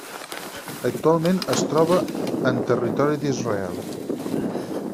Actualment es troba en territori d'Israel.